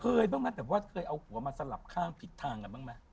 บ้างไหมแต่ว่าเคยเอาหัวมาสลับข้างผิดทางกันบ้างไหม